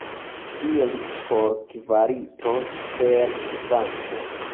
Iri por kvalito super kvanto.